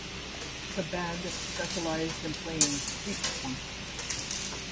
The band specialized in playing "street funk".